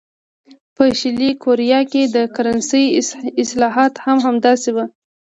په شلي کوریا کې د کرنسۍ اصلاحات هم همداسې وو.